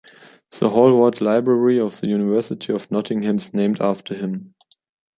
The Hallward Library of the University of Nottingham is named after him.